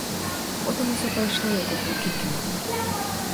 Потым усё пайшло, як у хуткім кіно.